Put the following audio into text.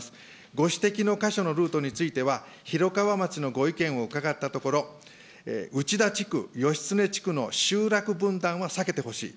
ご指摘の箇所のルートについては、広川町のご意見を伺ったところ、うちだ地区、よしつね地区の集落分断は避けてほしい。